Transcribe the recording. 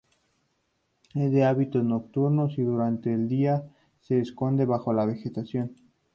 Es de hábitos nocturnos y durante el día se esconde bajo la vegetación.